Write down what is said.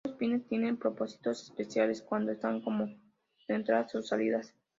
Algunos pines tiene propósitos especiales cuando están como entradas o salidas.